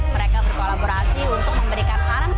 mereka berkolaborasi untuk memberikan aransemen nuansa edm